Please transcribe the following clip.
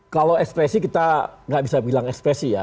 kalau ekspresi kita nggak bisa bilang ekspresi ya